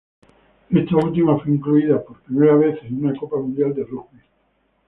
Esta última fue incluida por primera vez en una copa mundial de rugby.